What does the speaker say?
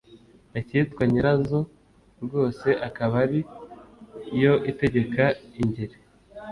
Ikitwa nyirazo rwose, Akaba ari yo itegeka Ingeri,